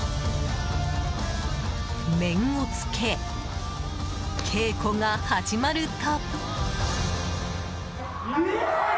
面を着け、稽古が始まると。